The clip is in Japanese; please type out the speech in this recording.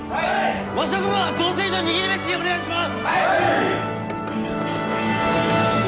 和食部は雑炊と握り飯お願いします！